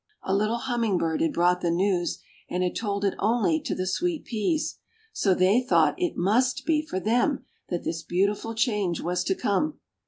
A little Humming Bird had brought the news and had told it only to the Sweet Peas, so they thought it must be for them that this beautiful change was to come.